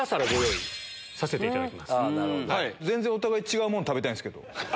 全然お互い違うもの食べたいんすけど。